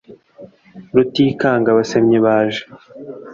Rutikanga abasemyi baje